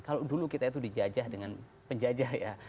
kalau dulu kita itu dijajah dengan penjajah ya